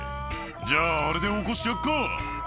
「じゃああれで起こしてやっか」